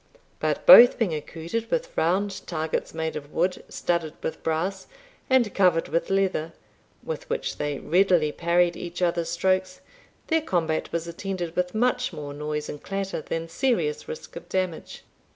But being both accoutred with round targets made of wood, studded with brass, and covered with leather, with which they readily parried each other's strokes, their combat was attended with much more noise and clatter than serious risk of damage.